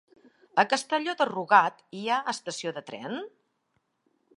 A Castelló de Rugat hi ha estació de tren?